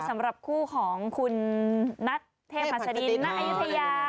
สำหรับคู่ของคุณนัทเทพัศนินนัทอยุธยา